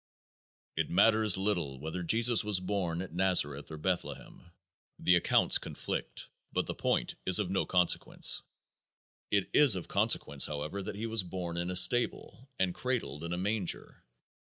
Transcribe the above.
It matters little whether Jesus was born at Nazareth or Bethlehem. The accounts conflict, but the point is of no consequence. It is of consequence, however, that He was born in a stable and cradled in a manger.